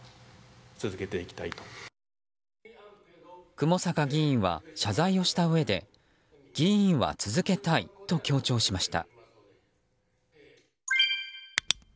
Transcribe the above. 雲坂議員は、謝罪をしたうえで議員は続けたいと強調しました。